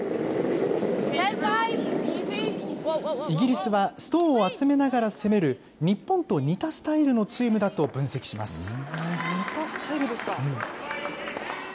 イギリスはストーン集めながら攻める日本と似たスタイルのチームだと分析します。